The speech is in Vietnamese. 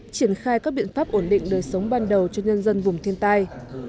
triển khai các biện pháp ổn định đời sống ban đầu cho nhân dân vùng thiên tai